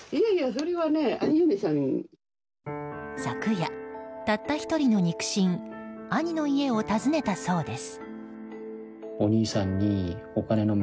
昨夜、たった１人の肉親兄の家を訪ねたそうです。